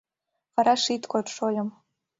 Вараш ит код, шольым...